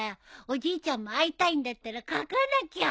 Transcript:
おじいちゃんも会いたいんだったら書かなきゃ。